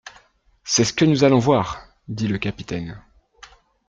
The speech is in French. C'est ce que nous allons voir, dit le capitaine.